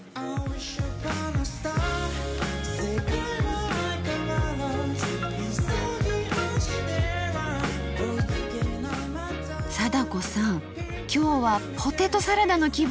今日はポテトサラダの気分です。